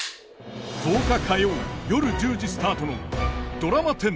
１０日火曜夜１０時スタートのドラマ１０